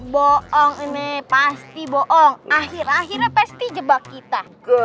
bohong ini pasti bohong akhir akhirnya pasti jebak kita